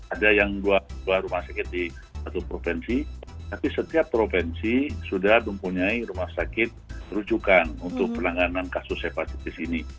ada yang dua rumah sakit di satu provinsi tapi setiap provinsi sudah mempunyai rumah sakit rujukan untuk penanganan kasus hepatitis ini